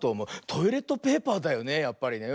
トイレットペーパーだよねやっぱりね。